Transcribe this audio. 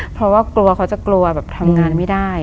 เพราะว่ากลัวเขาจะกลัวแบบทำงานไม่ได้